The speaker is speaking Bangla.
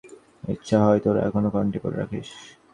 ইচ্ছা হয় তোরা এখানা কণ্ঠে করে রাখিস।